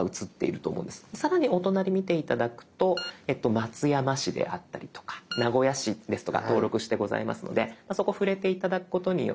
さらにお隣見て頂くと松山市であったりとか名古屋市ですとか登録してございますのでそこ触れて頂くことによって。